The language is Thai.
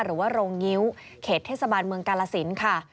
หรือว่าโรงงิ้วเขตเทศบาลเมืองกาลสินค่ะ